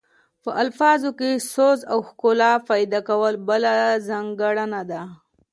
په الفاظو کې سوز او ښکلا پیدا کول بله ځانګړنه ده